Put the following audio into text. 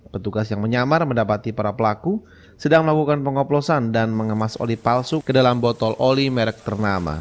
petugas yang menyamar mendapati para pelaku sedang melakukan pengoplosan dan mengemas oli palsu ke dalam botol oli merek ternama